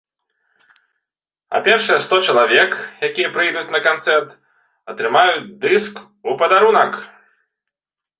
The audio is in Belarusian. А першыя сто чалавек, якія прыйдуць на канцэрт, атрымаюць дыск у падарунак.